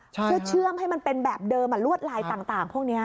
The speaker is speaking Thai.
เพื่อเชื่อมให้มันเป็นแบบเดิมลวดลายต่างพวกนี้